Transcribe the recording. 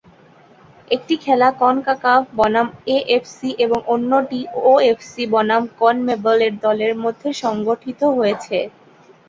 একটি খেলা কনকাকাফ বনাম এএফসি এবং অন্যটি ওএফসি বনাম কনমেবল-এর দলের মধ্যে সংগঠিত হয়েছে।